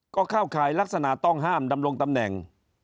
ก็เข้าข่ายลักษณะต้องห้ามดำรงตำแหน่ง